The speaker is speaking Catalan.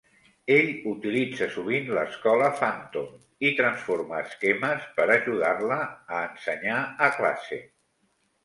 Ell utilitza sovint l'escola Phantom i transforma esquemes per a ajudar-la a ensenyar a classe.